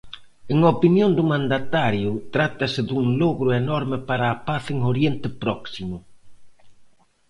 En opinión do mandatario, trátase dun "logro enorme para a paz en Oriente Próximo".